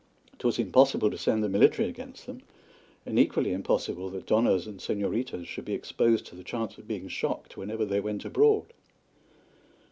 'Twas impossible to send the military against them, and equally impossible that Donnas and Señoritas should be exposed to the chance of being shocked whenever they went abroad.